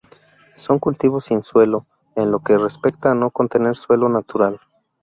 Son cultivos sin suelo, en lo que respecta a no contener suelo natural.